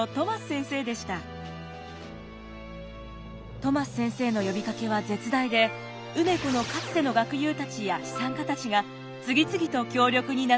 トマス先生の呼びかけは絶大で梅子のかつての学友たちや資産家たちが次々と協力に名乗りを上げました。